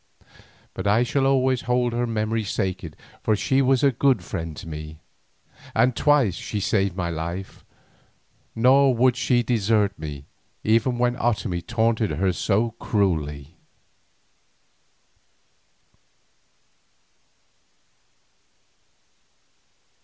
But I shall always hold her memory sacred, for she was a good friend to me, and twice she saved my life, nor would she desert me, even when Otomie taunted her so cruelly.